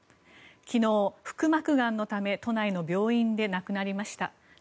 昨日、腹膜がんのため都内の病院で亡くなりました。